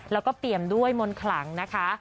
แล้วก็เปี่ยมด้วยมนต์ขลังนะคะ